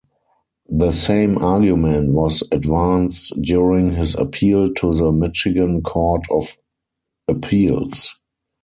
The same argument was advanced during his appeal to the Michigan Court of Appeals.